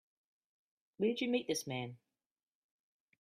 Where'd you meet this man?